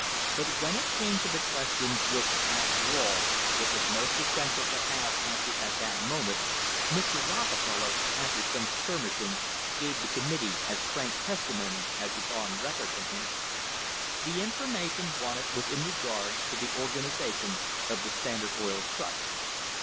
But when it came to the questions which, after all, it was most essential to have an swered at that moment, Mr. Rockefeller, after some skirmish ing, gave the committee as frank testimony as is on record from him. The information wanted was in regard to the organisation of the Standard Oil Trust.